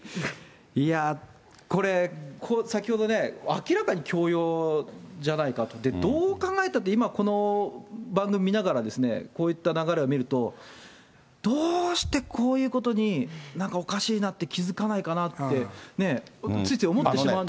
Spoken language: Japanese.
いやー、これ、先ほどね、明らかに強要じゃないかと、どう考えたって今、この番組見ながら、こういった流れを見ると、どうして、こういうことに、なんかおかしいなって気付かないかなって、ついつい思ってしまう